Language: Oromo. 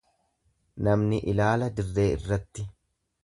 Namni ilaala dirree irratti.